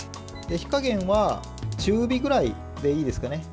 火加減は中火ぐらいでいいですかね。